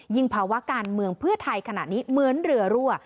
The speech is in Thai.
ภาวะการเมืองเพื่อไทยขณะนี้เหมือนเรือรั่ว